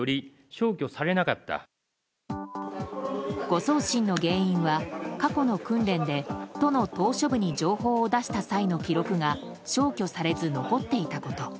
誤送信の原因は過去の訓練で都の島しょ部に情報を出した際の記録が消去されず残っていたこと。